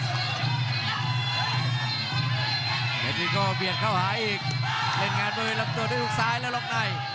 สายอีกเล่นงานมือรับตัวด้วยลูกซ้ายแล้วรอบนาย